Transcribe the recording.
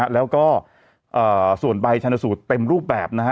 แล้วก็ส่วนใบชาญสูตรเต็มรูปแบบ